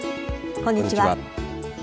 こんにちは。